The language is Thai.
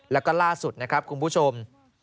แล้วก็ล่าสุดนะครับคุณผู้ชม